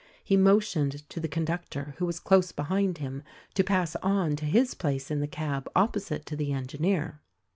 He motioned to the conductor, who was close behind him, to pass on to his place in the cab opposite to the engineer.